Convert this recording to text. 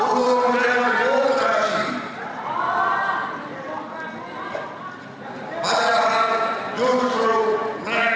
ini orang orang yang berpimpin belum pernah terjadi